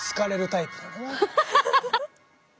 ハハハハハ！